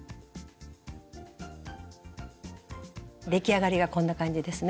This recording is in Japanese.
出来上がりがこんな感じですね。